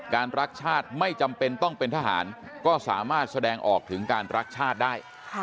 รักชาติไม่จำเป็นต้องเป็นทหารก็สามารถแสดงออกถึงการรักชาติได้